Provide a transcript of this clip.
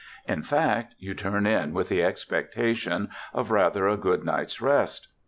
In fact, you turn in with the expectation of rather a good night's rest.